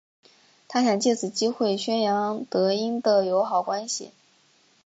他想借此机会宣扬德英的友好关系。